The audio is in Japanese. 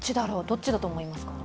どっちだと思いますか？